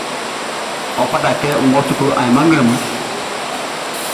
Efata kɛ n wɔ suklu ainman nglɛmun.